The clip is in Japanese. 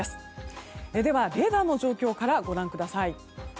では、レーダーの状況からご覧ください。